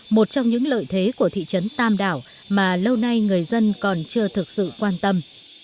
một trong những lợi thế của thị trấn tam đảo mà lâu nay người dân còn chưa thực sự quan tâm